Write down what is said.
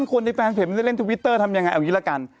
คนในแฟนเพจมันจะเล่นทวิตเตอร์ทำยังไงเอางี้ละกัน